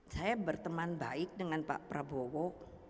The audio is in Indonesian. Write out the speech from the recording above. saya berteman baik dengan pak prabowo